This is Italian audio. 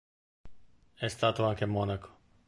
È stato anche monaco.